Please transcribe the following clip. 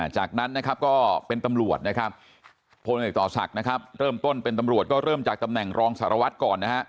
จากนั้นก็เป็นตำรวจโพลงเอกต่อศักดิ์เริ่มต้นเป็นตำรวจก็เริ่มจากตำแหน่งรองสารวัตรก่อน